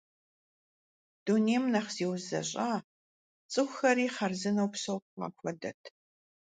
Дунейм нэхъ зиузэщӏа, цӏыхухэри хъарзынэу псэу хъуа хуэдэт.